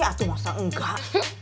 aduh masa enggak